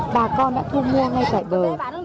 bà con đã thu mua ngay tại bờ